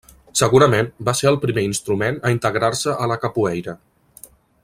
Segurament va ser el primer instrument a integrar-se a la capoeira.